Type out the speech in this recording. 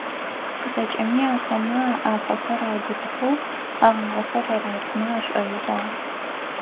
ЗэкӀэми ахэмэ alaпэхэр аубытыхэу, къэгъагъэхэр аратымэ ашӀоигъуагъ.